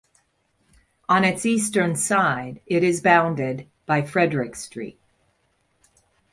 On its eastern side it is bounded by Frederick Street.